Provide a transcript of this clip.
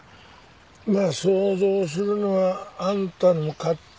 まあ想像するのはあんたの勝手や。